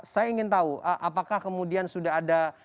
saya ingin tahu apakah kemudian sudah ada